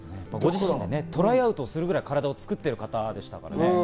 トライアウトするぐらい体を作っている方ですからね。